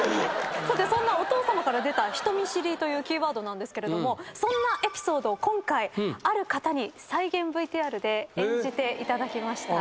さてそんなお父さまから出た人見知りというキーワードなんですけれどもそんなエピソードを今回ある方に再現ＶＴＲで演じていただきました。